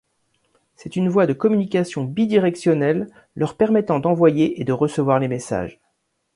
C'est une voie de communication bidirectionnelle leur permettant d'envoyer et de recevoir les messages.